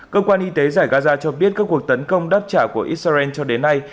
cơ quan y tế giải gaza cho biết các cuộc tấn công đáp trả của israel cho đến nay